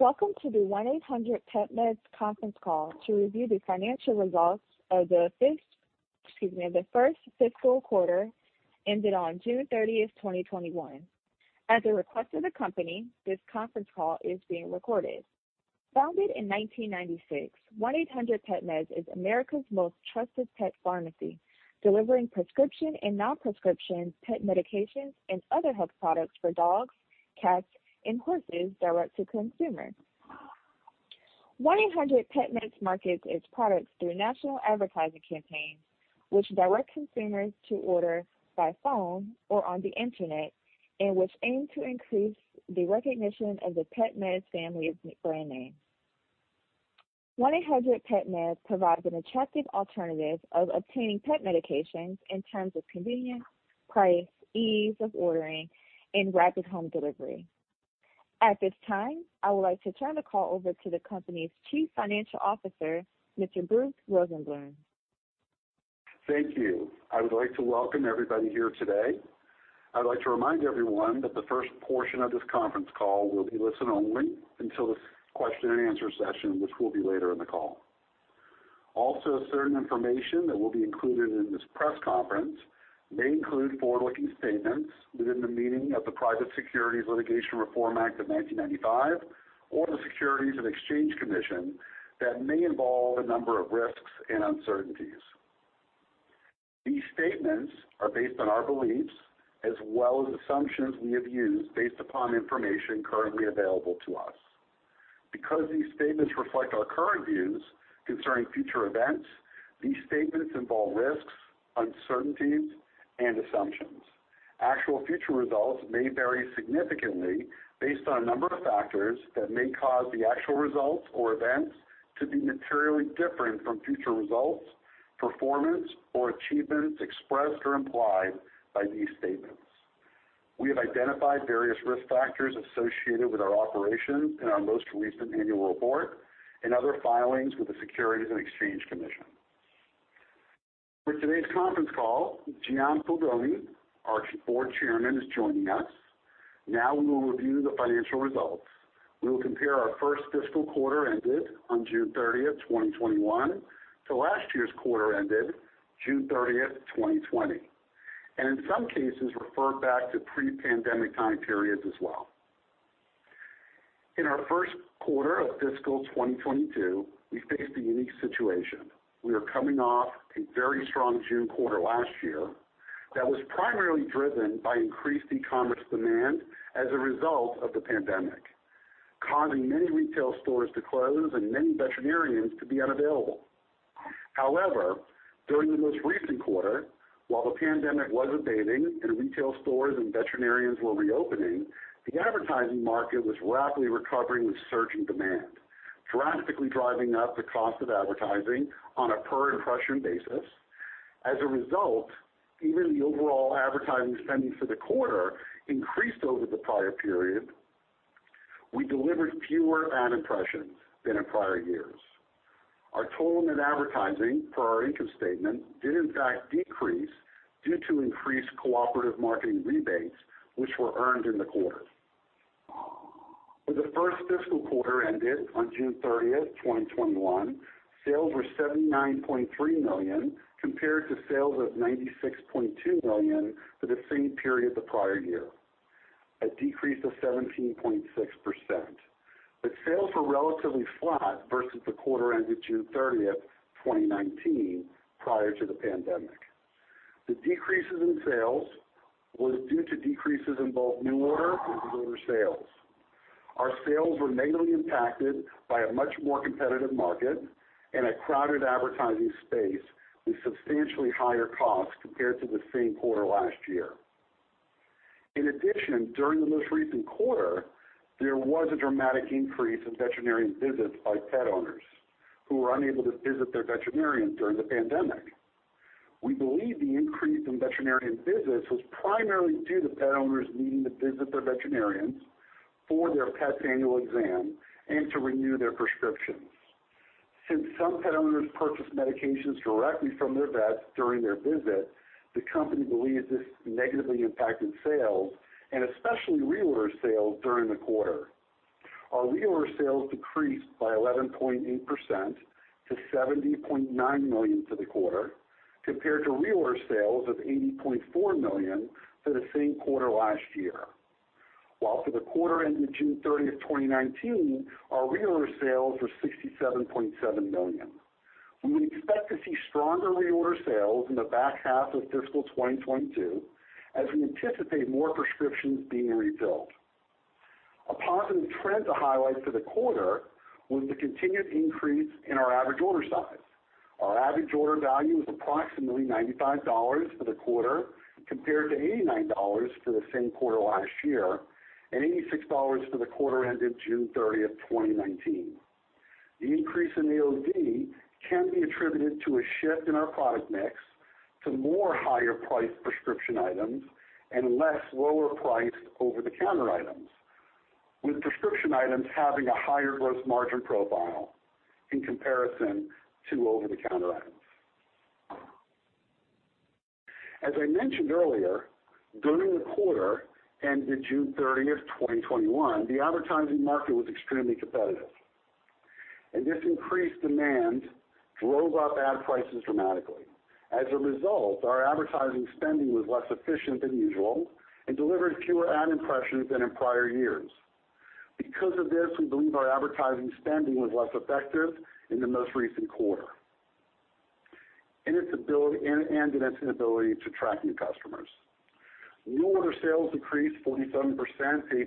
Welcome to the 1-800-PetMeds conference call to review the financial results of the 1st fiscal quarter ended on June 30th, 2021. At the request of the company, this conference call is being recorded. Founded in 1996, 1-800-PetMeds is America's most trusted pet pharmacy, delivering prescription and non-prescription pet medications and other health products for dogs, cats, and horses direct to consumers. 1-800-PetMeds markets its products through national advertising campaigns, which direct consumers to order by phone or on the internet, and which aim to increase the recognition of the PetMeds family of brand names. 1-800-PetMeds provides an attractive alternative of obtaining pet medications in terms of convenience, price, ease of ordering, and rapid home delivery. At this time, I would like to turn the call over to the company's Chief Financial Officer, Mr. Bruce Rosenbloom. Thank you. I would like to welcome everybody here today. I'd like to remind everyone that the first portion of this conference call will be listen only until the question and answer session, which will be later in the call. Also, certain information that will be included in this press conference may include forward-looking statements within the meaning of the Private Securities Litigation Reform Act of 1995 or the Securities and Exchange Commission that may involve a number of risks and uncertainties. These statements are based on our beliefs as well as assumptions we have used based upon information currently available to us. Because these statements reflect our current views concerning future events, these statements involve risks, uncertainties, and assumptions. Actual future results may vary significantly based on a number of factors that may cause the actual results or events to be materially different from future results, performance or achievements expressed or implied by these statements. We have identified various risk factors associated with our operations in our most recent annual report and other filings with the Securities and Exchange Commission. For today's conference call, Gian Fulgoni, our board chairman, is joining us. Now we will review the financial results. We will compare our first fiscal quarter ended on June 30th, 2021 to last year's quarter ended June 30th, 2020, and in some cases, refer back to pre-pandemic time periods as well. In our Q1 of fiscal 2022, we faced a unique situation. We are coming off a very strong June quarter last year that was primarily driven by decreased e-commerce demand as a result of the pandemic, causing many retail stores to close and many veterinarians to be unavailable. However, during the most recent quarter, while the pandemic was abating and retail stores and veterinarians were reopening, the advertising market was rapidly recovering with surging demand, drastically driving up the cost of advertising on a per-impression basis. As a result, even the overall advertising spending for the quarter increased over the prior period. We delivered fewer ad impressions than in prior years. Our total net advertising per our income statement did in fact decrease due to increased cooperative marketing rebates which were earned in the quarter. For the first fiscal quarter ended on June 30th, 2021, sales were $79.3 million compared to sales of $96.2 million for the same period the prior year, a decrease of 17.6%. Sales were relatively flat versus the quarter ended June 30th, 2019, prior to the pandemic. The decreases in sales was due to decreases in both new order and reorder sales. Our sales were negatively impacted by a much more competitive market and a crowded advertising space with substantially higher costs compared to the same quarter last year. In addition, during the most recent quarter, there was a dramatic increase in veterinarian visits by pet owners who were unable to visit their veterinarian during the pandemic. We believe the increase in veterinarian visits was primarily due to pet owners needing to visit their veterinarians for their pet's annual exam and to renew their prescriptions. Since some pet owners purchased medications directly from their vets during their visit, the company believes this negatively impacted sales and especially reorder sales during the quarter. Our reorder sales decreased by 11.8% to $70.9 million for the quarter, compared to reorder sales of $80.4 million for the same quarter last year. For the quarter ended June 30th, 2019, our reorder sales were $67.7 million. We would expect to see stronger reorder sales in the back half of fiscal 2022 as we anticipate more prescriptions being refilled. A positive trend to highlight for the quarter was the continued increase in our average order size. Our average order value was approximately $95 for the quarter, compared to $89 for the same quarter last year, and $86 for the quarter ended June 30th, 2019. The increase in the AOV can be attributed to a shift in our product mix to more higher-priced prescription items and less lower-priced over-the-counter items, with prescription items having a higher gross margin profile in comparison to over-the-counter items. As I mentioned earlier, during the quarter, ending June 30th, 2021, the advertising market was extremely competitive, and this increased demand drove up ad prices dramatically. As a result, our advertising spending was less efficient than usual and delivered fewer ad impressions than in prior years. Because of this, we believe our advertising spending was less effective in the most recent quarter and in its inability to attract new customers. New order sales increased 47%,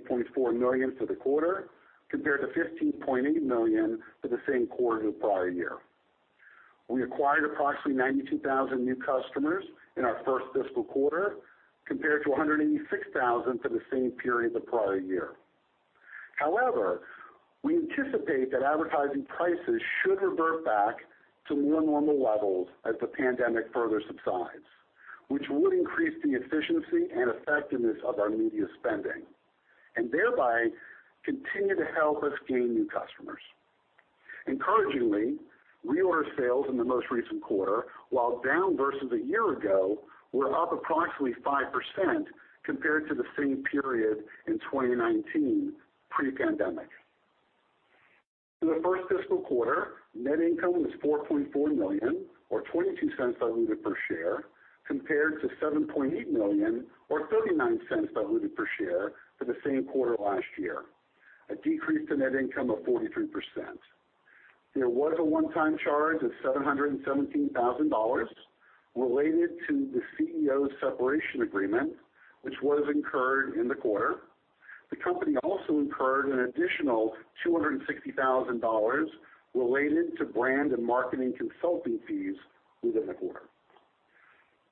$8.4 million for the quarter, compared to $15.8 million for the same quarter the prior year. We acquired approximately 92,000 new customers in our first fiscal quarter, compared to 186,000 for the same period the prior year. We anticipate that advertising prices should revert back to more normal levels as the pandemic further subsides, which would increase the efficiency and effectiveness of our media spending, and thereby continue to help us gain new customers. Encouragingly, reorder sales in the most recent quarter, while down versus a year ago, were up approximately 5% compared to the same period in 2019, pre-pandemic. In the first fiscal quarter, net income was $4.4 million, or $0.22 diluted per share, compared to $7.8 million or $0.39 diluted per share for the same quarter last year, a decrease in net income of 43%. There was a one-time charge of $717,000 related to the CEO's separation agreement, which was incurred in the quarter. The company also incurred an additional $260,000 related to brand and marketing consulting fees within the quarter.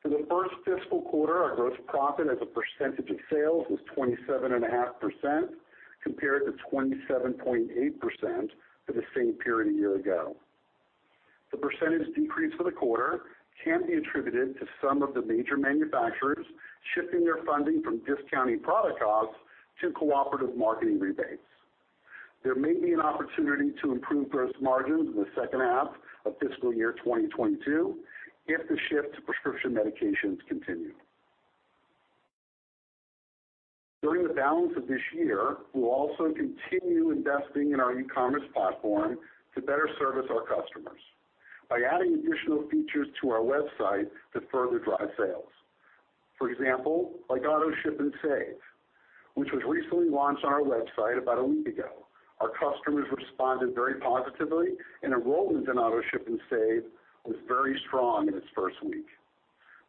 For the first fiscal quarter, our gross profit as a percentage of sales was 27.5%, compared to 27.8% for the same period a year ago. The percentage decrease for the quarter can be attributed to some of the major manufacturers shifting their funding from discounting product costs to cooperative marketing rebates. There may be an opportunity to improve gross margins in the second half of fiscal year 2022 if the shift to prescription medications continue. During the balance of this year, we'll also continue investing in our e-commerce platform to better service our customers by adding additional features to our website to further drive sales. For example, like AutoShip & Save, which was recently launched on our website about one week ago. Our customers responded very positively, enrollment in AutoShip & Save was very strong in its first week.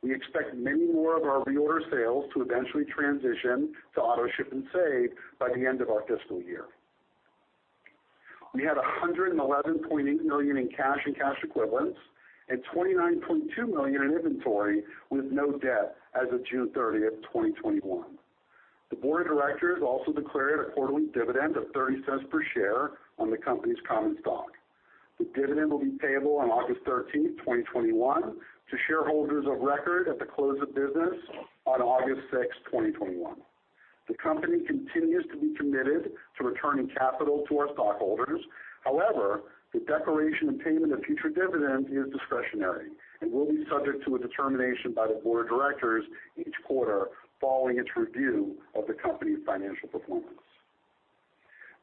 We expect many more of our reorder sales to eventually transition to AutoShip & Save by the end of our fiscal year. We had $111.8 million in cash and cash equivalents and $29.2 million in inventory, with no debt as of June 30th, 2021. The board of directors also declared a quarterly dividend of $0.30 per share on the company's common stock. The dividend will be payable on August 13th, 2021, to shareholders of record at the close of business on August 6, 2021. The company continues to be committed to returning capital to our stockholders. The declaration and payment of future dividends is discretionary and will be subject to a determination by the board of directors each quarter following its review of the company's financial performance.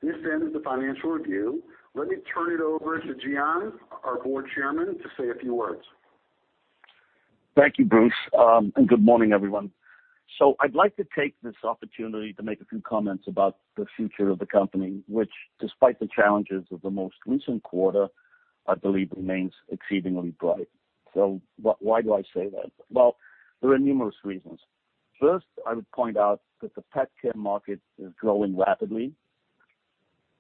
This ends the financial review. Let me turn it over to Gian, our Board Chairman, to say a few words. Thank you, Bruce. Good morning, everyone. I'd like to take this opportunity to make a few comments about the future of the company, which despite the challenges of the most recent quarter, I believe remains exceedingly bright. Why do I say that? Well, there are numerous reasons. First, I would point out that the pet care market is growing rapidly,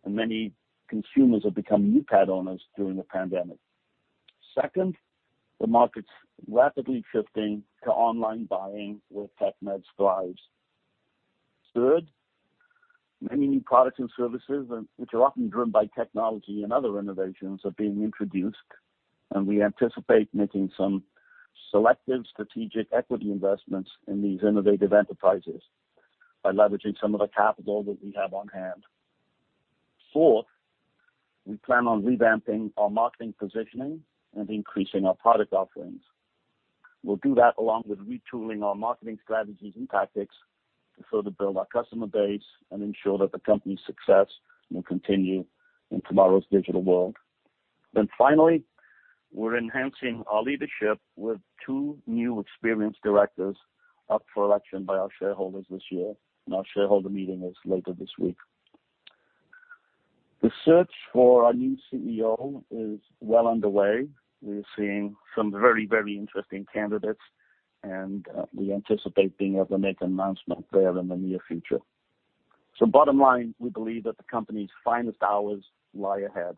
and many consumers have become new pet owners during the pandemic. Second, the market's rapidly shifting to online buying with PetMeds drives. Third, many new products and services, which are often driven by technology and other innovations, are being introduced, and we anticipate making some selective strategic equity investments in these innovative enterprises by leveraging some of the capital that we have on-hand. Fourth, we plan on revamping our marketing positioning and increasing our product offerings. We'll do that along with retooling our marketing strategies and tactics to further build our customer base and ensure that the company's success will continue in tomorrow's digital world. Finally, we're enhancing our leadership with two new experienced directors up for election by our shareholders this year, and our shareholder meeting is later this week. The search for our new CEO is well underway. We are seeing some very interesting candidates, and we anticipate being able to make an announcement there in the near future. Bottom line, we believe that the company's finest hours lie ahead.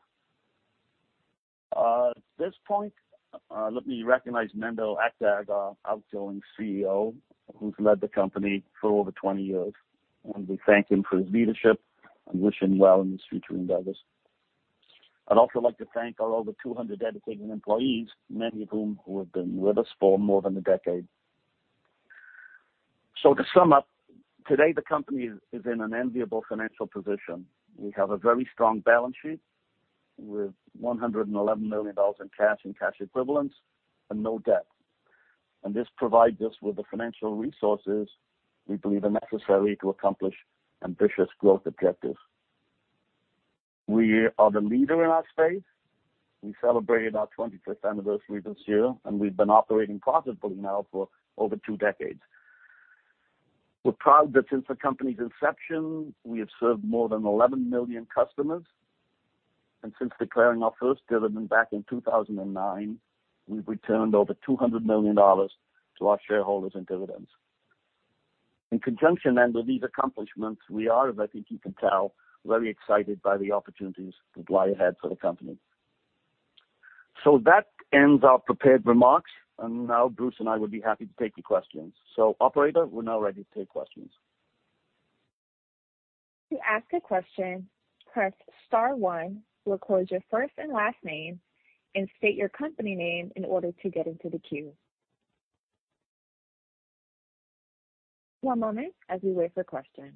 At this point, let me recognize Menderes Akdag, our outgoing CEO, who's led the company for over 20 years. We thank him for his leadership and wish him well in his future endeavors. I'd also like to thank our over 200 dedicated employees, many of whom who have been with us for more than a decade. To sum up, today the company is in an enviable financial position. We have a very strong balance sheet with $111 million in cash and cash equivalents and no debt. This provides us with the financial resources we believe are necessary to accomplish ambitious growth objectives. We are the leader in our space. We celebrated our 25th anniversary this year, and we've been operating profitably now for over two decades. We're proud that since the company's inception, we have served more than 11 million customers, and since declaring our first dividend back in 2009, we've returned over $200 million to our shareholders in dividends. In conjunction then with these accomplishments, we are, as I think you can tell, very excited by the opportunities that lie ahead for the company. That ends our prepared remarks, and now Bruce and I would be happy to take your questions. Operator, we're now ready to take questions. One moment as we wait for questions.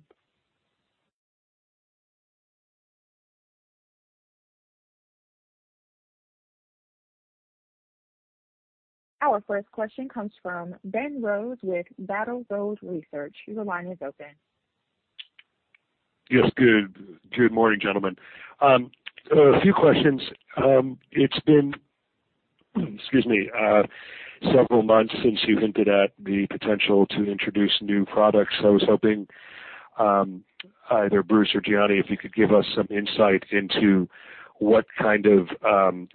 Our first question comes from Ben Rose with Battle Road Research. Your line is open. Yes. Good morning, gentlemen. A few questions. It's been, excuse me, several months since you hinted at the potential to introduce new products. I was hoping, either Bruce or Gian, if you could give us some insight into what kind of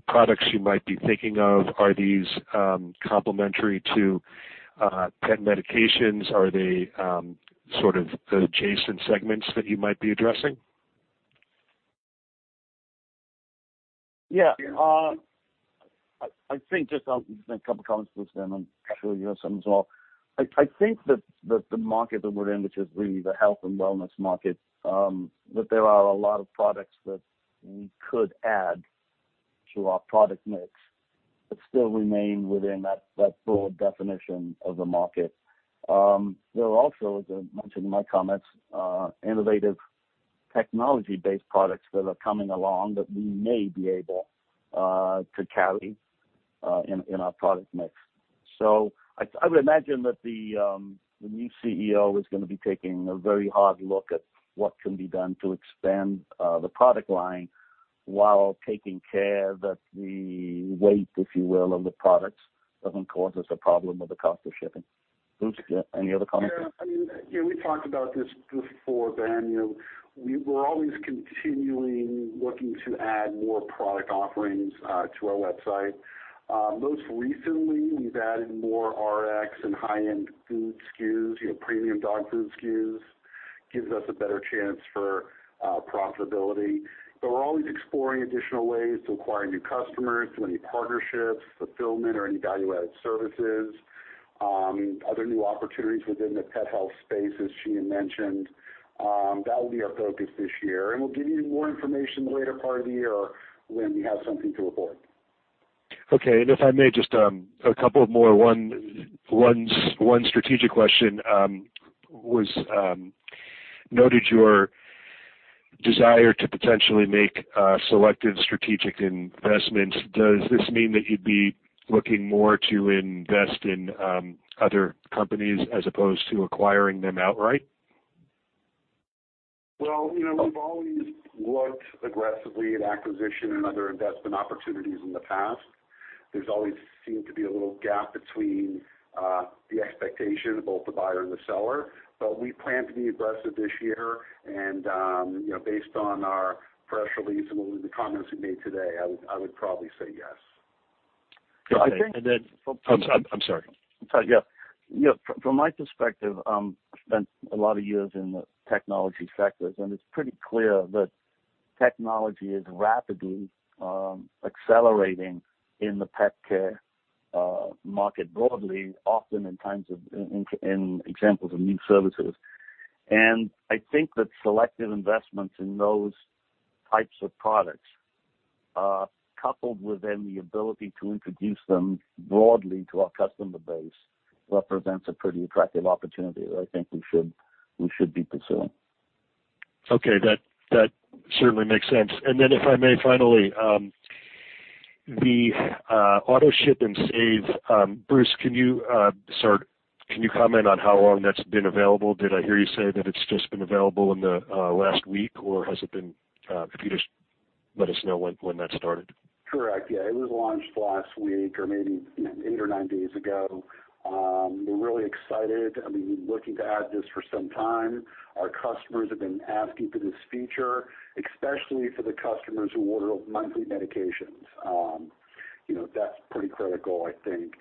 products you might be thinking of. Are these complementary to pet medications? Are they adjacent segments that you might be addressing? I think just a couple comments, Bruce, then I'm sure you have some as well. I think that the market that we're in, which is really the health and wellness market, that there are a lot of products that we could add to our product mix, but still remain within that broad definition of the market. There are also, as I mentioned in my comments, innovative technology-based products that are coming along that we may be able to carry in our product mix. I would imagine that the new CEO is going to be taking a very hard look at what can be done to expand the product line while taking care that the weight, if you will, of the products doesn't cause us a problem with the cost of shipping. Bruce, any other comments? We talked about this before, Ben. We're always continually looking to add more product offerings to our website. Most recently, we've added more Rx and high-end food SKUs, premium dog food SKUs. Gives us a better chance for profitability. We're always exploring additional ways to acquire new customers through any partnerships, fulfillment, or any value-added services. Other new opportunities within the pet health space, as Giani mentioned. That will be our focus this year, and we'll give you more information in the later part of the year when we have something to report. Okay. If I may, just a couple of more. One strategic question. It was noted your desire to potentially make selective strategic investments. Does this mean that you'd be looking more to invest in other companies as opposed to acquiring them outright? Well, we've always looked aggressively at acquisition and other investment opportunities in the past. There's always seemed to be a little gap between the expectation of both the buyer and the seller. We plan to be aggressive this year and, based on our press release and the comments we made today, I would probably say yes. Okay. I'm sorry. From my perspective, I spent a lot of years in the technology sectors, and it's pretty clear that technology is rapidly accelerating in the pet care market broadly, often in examples of new services. I think that selective investments in those types of products, coupled within the ability to introduce them broadly to our customer base, represents a pretty attractive opportunity that I think we should be pursuing. Okay. That certainly makes sense. If I may finally, the AutoShip & Save, Bruce, can you comment on how long that's been available? Did I hear you say that it's just been available in the last week? If you just let us know when that started. Correct. Yeah, it was launched last week, or maybe eight or nine days ago. We're really excited. We've been looking to add this for some time. Our customers have been asking for this feature, especially for the customers who order monthly medications. That's pretty critical, I think.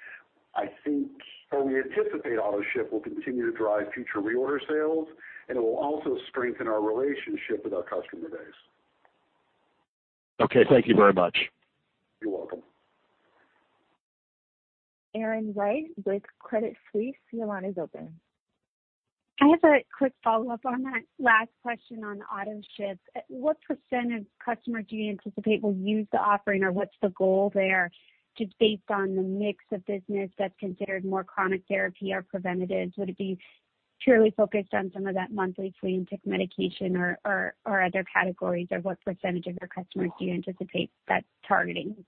We anticipate AutoShip will continue to drive future reorder sales, and it will also strengthen our relationship with our customer base. Okay. Thank you very much. You're welcome. Erin Wright with Credit Suisse, your line is open. I have a quick follow-up on that last question on AutoShip. What % of customers do you anticipate will use the offering or what's the goal there just based on the mix of business that's considered more chronic therapy or preventative? Would it be purely focused on some of that monthly flea and tick medication or other categories? What % of your customers do you anticipate that's targeting?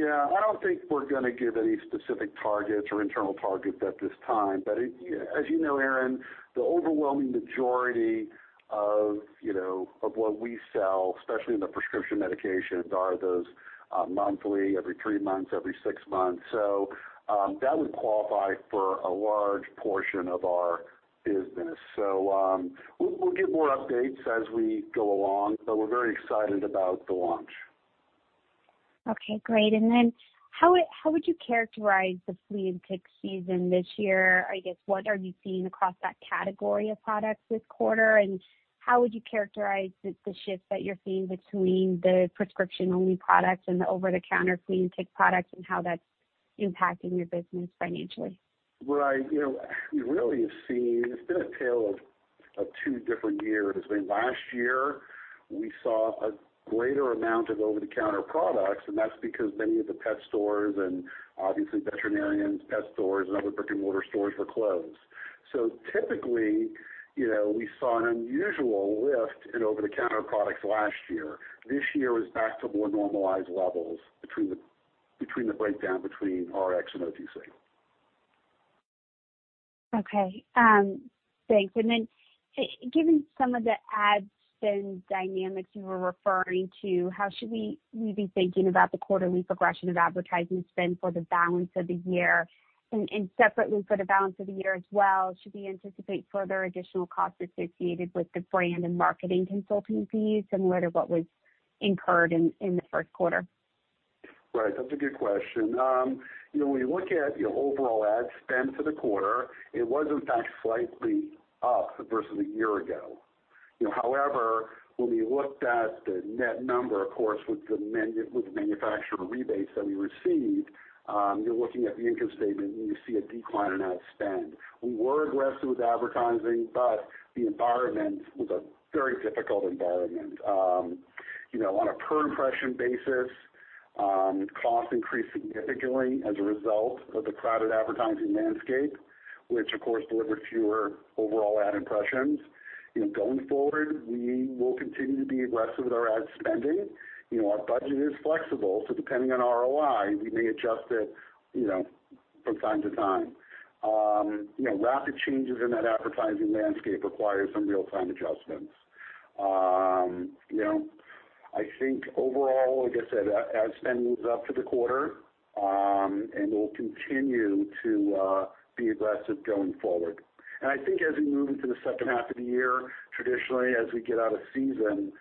I don't think we're going to give any specific targets or internal targets at this time. As you know, Erin, the overwhelming majority of what we sell, especially in the prescription medications, are those monthly, every three months, every six months. That would qualify for a large portion of our business. We'll give more updates as we go along, but we're very excited about the launch. Okay, great. How would you characterize the flea and tick season this year? I guess, what are you seeing across that category of products this quarter, and how would you characterize the shift that you're seeing between the prescription-only products and the over-the-counter flea and tick products, and how that's impacting your business financially? What I really have seen, it's been a tale of two different years. Last year, we saw a greater amount of over-the-counter products, and that's because many of the pet stores and obviously veterinarians, pet stores, and other brick-and-mortar stores were closed. Typically, we saw an unusual lift in over-the-counter products last year. This year is back to more normalized levels between the breakdown between Rx and OTC. Okay. Thanks. Given some of the ad spend dynamics you were referring to, how should we be thinking about the quarterly progression of advertising spend for the balance of the year? Separately, for the balance of the year as well, should we anticipate further additional costs associated with the brand and marketing consulting fees similar to what was incurred in the Q1? Right. That's a good question. When you look at your overall ad spend for the quarter, it was in fact slightly up versus a year ago. However, when we looked at the net number, of course, with the manufacturer rebates that we received, you're looking at the income statement, and you see a decline in ad spend. We were aggressive with advertising, but the environment was a very difficult environment. On a per impression basis, cost increased significantly as a result of the crowded advertising landscape, which of course delivered fewer overall ad impressions. Going forward, we will continue to be aggressive with our ad spending. Our budget is flexible, so depending on ROI, we may adjust it from time to time. Rapid changes in that advertising landscape require some real-time adjustments. I think overall, like I said, ad spend was up for the quarter, and we'll continue to be aggressive going forward. I think as we move into the second half of the year, traditionally, as we get out of season,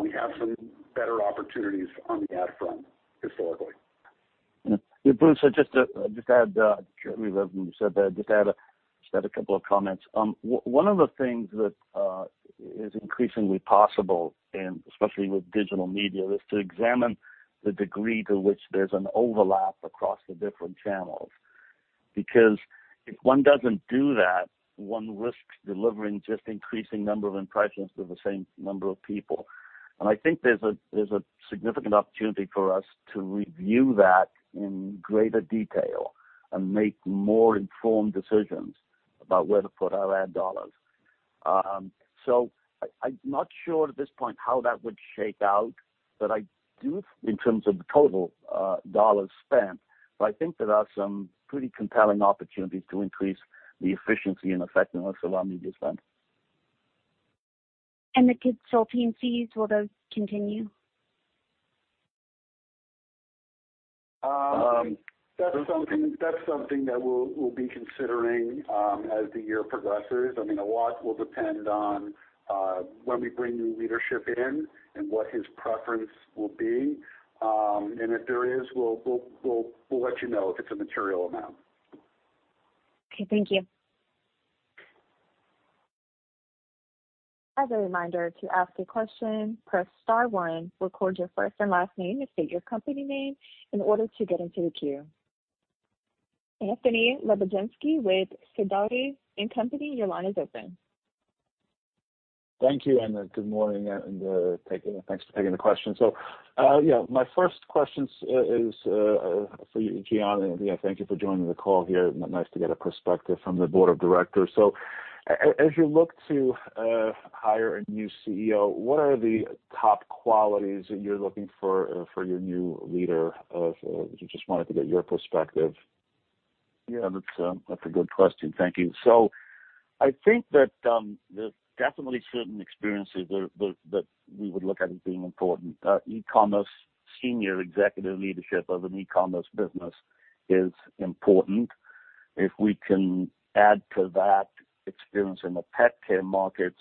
we have some better opportunities on the ad front historically. Yeah, Bruce, I just had a couple of comments. One of the things that is increasingly possible, and especially with digital media, is to examine the degree to which there's an overlap across the different channels. If one doesn't do that, one risks delivering just increasing number of impressions to the same number of people. I think there's a significant opportunity for us to review that in greater detail and make more informed decisions about where to put our ad dollars. I'm not sure at this point how that would shake out in terms of the total dollars spent, but I think there are some pretty compelling opportunities to increase the efficiency and effectiveness of our media spend. The consulting fees, will those continue? That's something that we'll be considering as the year progresses. I mean, a lot will depend on when we bring new leadership in and what his preference will be. If there is, we'll let you know if it's a material amount. Okay. Thank you. As a reminder, to ask a question, press star one, record your first and last name, and state your company name in order to get into the queue. Anthony Lebiedzinski with Sidoti & Company, your line is open. Thank you. Good morning, and thanks for taking the question. Yeah, my first question is for you, Gian, and thank you for joining the call here. Nice to get a perspective from the board of directors. As you look to hire a new CEO, what are the top qualities that you're looking for your new leader? I just wanted to get your perspective. That's a good question. Thank you. I think that there's definitely certain experiences that we would look at as being important. E-commerce senior executive leadership of an e-commerce business is important. If we can add to that experience in the pet care markets,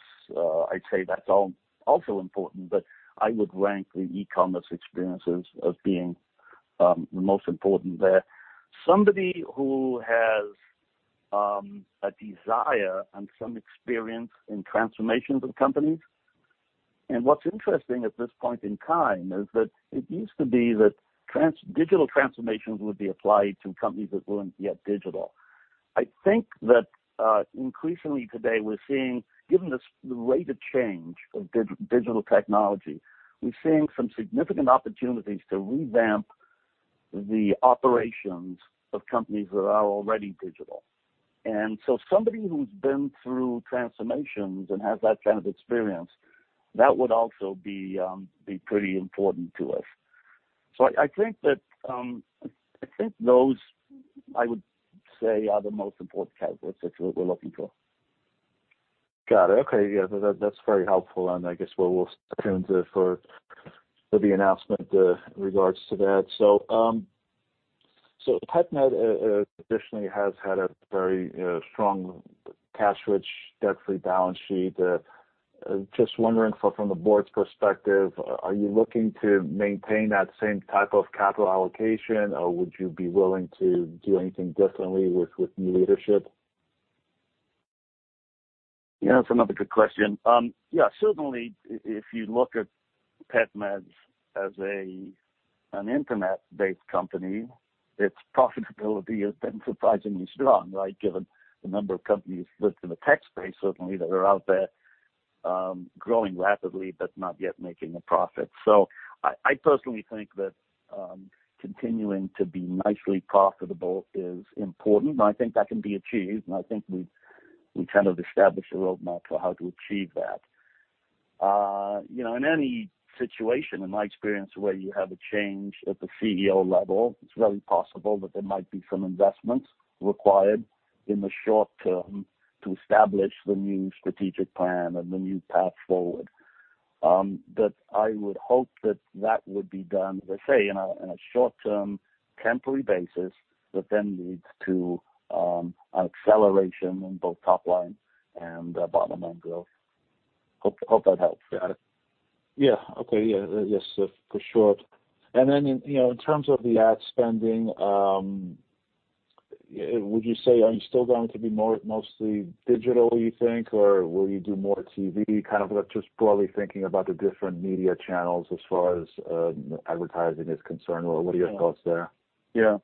I'd say that's also important. I would rank the e-commerce experiences as being the most important there. Somebody who has a desire and some experience in transformations of companies What's interesting at this point in time is that it used to be that digital transformations would be applied to companies that weren't yet digital. I think that increasingly today, given the rate of change of digital technology, we're seeing some significant opportunities to revamp the operations of companies that are already digital. Somebody who's been through transformations and has that kind of experience, that would also be pretty important to us. I think those, I would say, are the most important categories that we're looking for. Got it. Okay. Yeah. That's very helpful, and I guess we'll tune for the announcement in regards to that. PetMed traditionally has had a very strong cash-rich, debt-free balance sheet. Just wondering from the board's perspective, are you looking to maintain that same type of capital allocation, or would you be willing to do anything differently with new leadership? That's another good question. Certainly, if you look at PetMed as an internet-based company, its profitability has been surprisingly strong, right? Given the number of companies within the tech space, certainly, that are out there growing rapidly but not yet making a profit. I personally think that continuing to be nicely profitable is important, and I think that can be achieved, and I think we've kind of established a roadmap for how to achieve that. In any situation, in my experience, where you have a change at the CEO level, it's very possible that there might be some investment required in the short term to establish the new strategic plan and the new path forward. I would hope that that would be done, as I say, in a short-term, temporary basis that then leads to an acceleration in both top line and bottom line growth. Hope that helps. Yeah. Okay. Yeah. Yes, for sure. In terms of the ad spending, would you say, are you still going to be mostly digital, you think, or will you do more TV? Kind of just broadly thinking about the different media channels as far as advertising is concerned, or what are your thoughts there? Yeah.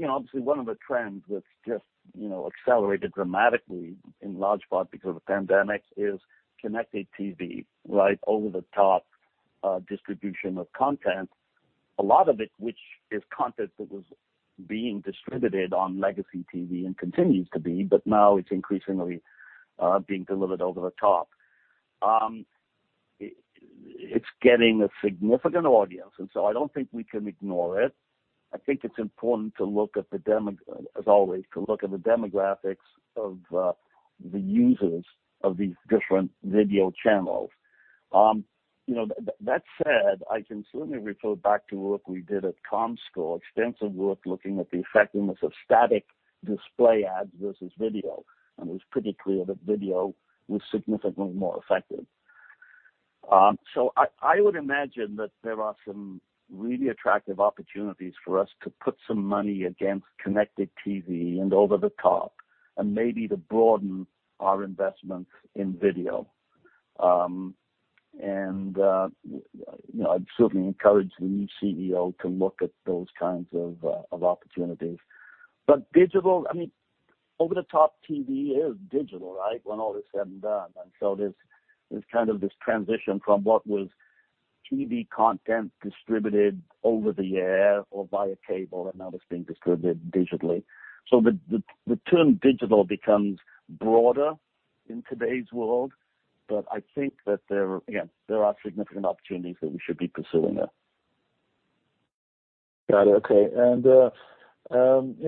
Obviously, one of the trends that's just accelerated dramatically, in large part because of the pandemic, is connected TV, right? Over-the-top distribution of content, a lot of it, which is content that was being distributed on legacy TV and continues to be, but now it's increasingly being delivered over-the-top. It's getting a significant audience. I don't think we can ignore it. I think it's important, as always, to look at the demographics of the users of these different video channels. That said, I can certainly refer back to work we did at Comscore, extensive work looking at the effectiveness of static display ads versus video, and it was pretty clear that video was significantly more effective. I would imagine that there are some really attractive opportunities for us to put some money against connected TV and over-the-top and maybe to broaden our investments in video. I'd certainly encourage the new CEO to look at those kinds of opportunities. Digital, over-the-top TV is digital, right? When all is said and done. There's kind of this transition from what was TV content distributed over the air or via cable, and now that's being distributed digitally. The term digital becomes broader in today's world, but I think that there, again, there are significant opportunities that we should be pursuing there. Got it. Okay.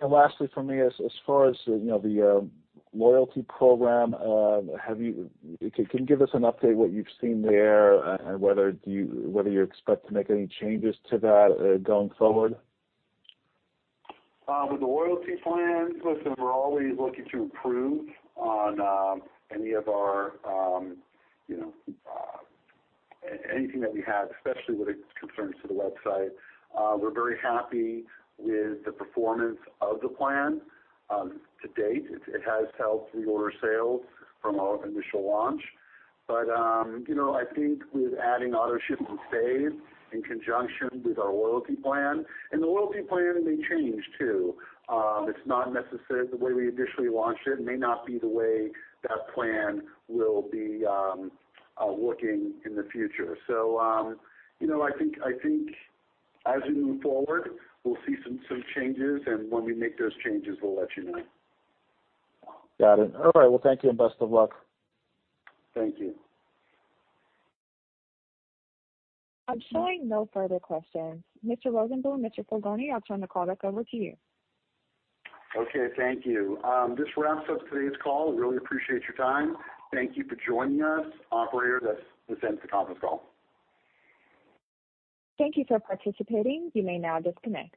Lastly from me, as far as the loyalty program, can you give us an update what you've seen there and whether you expect to make any changes to that going forward? With the loyalty plans, listen, we're always looking to improve on anything that we have, especially when it concerns to the website. We're very happy with the performance of the plan to date. It has helped reorder sales from our initial launch. I think with adding AutoShip & Save in conjunction with our loyalty plan, and the loyalty plan may change, too. The way we initially launched it may not be the way that plan will be working in the future. I think as we move forward, we'll see some changes, and when we make those changes, we'll let you know. Got it. All right. Well, thank you and best of luck. Thank you. I'm showing no further questions. Mr. Rosenbloom, Mr. Fulgoni, I'll turn the call back over to you. Okay. Thank you. This wraps up today's call. Really appreciate your time. Thank you for joining us. Operator, this ends the conference call. Thank you for participating. You may now disconnect.